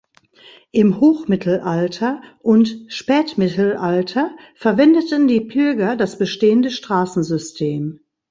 Im Hochmittelalter und Spätmittelalter verwendeten die Pilger das bestehende Straßensystem.